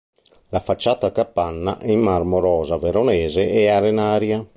La facciata a capanna è in marmo rosa veronese e arenaria.